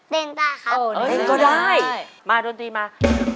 เด้งได้ครับเล่นก็ได้มาดนตรีมา